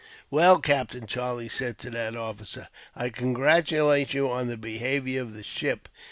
"Well, captain," Charlie said to that officer, "I congratulate you on the behaviour of the ship.